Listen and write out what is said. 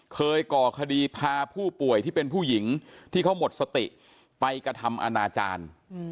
ก่อคดีพาผู้ป่วยที่เป็นผู้หญิงที่เขาหมดสติไปกระทำอนาจารย์